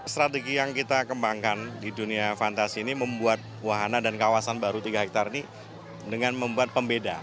strategi yang kita kembangkan di dunia fantasi ini membuat wahana dan kawasan baru tiga hektare ini dengan membuat pembeda